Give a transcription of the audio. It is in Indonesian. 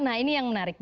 nah ini yang menarik